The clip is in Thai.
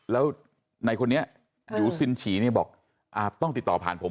แล้วในคนนี้หยูซินฉีเนี่ยบอกต้องติดต่อผ่านผม